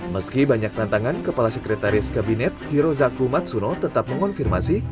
meski banyak tantangan kepala sekretaris kabinet hiro zaku matsuno tetap mengonfirmasi